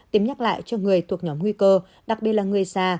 tìm nhắc lại cho người thuộc nhóm nguy cơ đặc biệt là người già